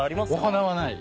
花はない。